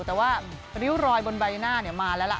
แต่ว่าริ้วรอยบนใบหน้ามาแล้วล่ะ